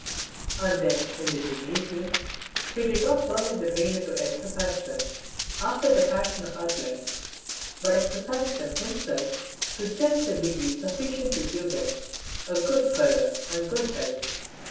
And then in the Gymnasium he did not permit the trainer to exer cise them after the fashion of athletes, but exercised them him self to just the degree sufficient to give them a good colour and good health.